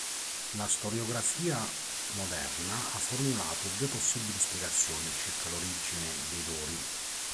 La storiografia moderna ha formulato due possibili spiegazioni circa l'origine dei Dori.